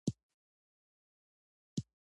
باران د ټولو افغانانو ژوند په مثبت ډول اغېزمنوي.